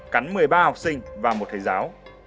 cắn một mươi ba học sinh và một thầy giáo